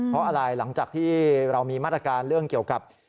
เพราะอะไรหลังจากที่เรามีมาตรการเรื่องเกี่ยวกับ